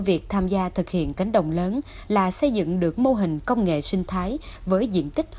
việc tham gia thực hiện cánh đồng lớn là xây dựng được mô hình công nghệ sinh thái với diện tích một trăm năm mươi